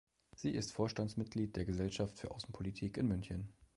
Sie ist Vorstandsmitglied der Gesellschaft für Außenpolitik in München.